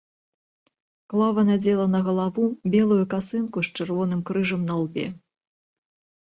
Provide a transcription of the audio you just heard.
Клава надзела на галаву белую касынку з чырвоным крыжам на лбе.